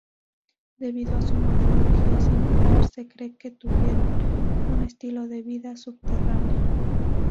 Debido a su morfología singular, se cree que tuvieron un estilo de vida subterráneo.